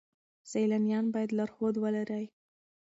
سیلانیان باید لارښود ولرئ.